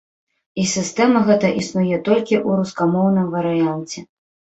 І сістэма гэта існуе толькі ў рускамоўным варыянце.